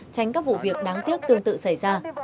tránh các vụ việc đáng tiếc tương tự xảy ra